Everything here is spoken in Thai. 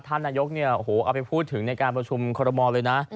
ท่านนายกเนี่ยโอ้โหเอาไปพูดถึงในการประชุมคอรมอลเลยนะ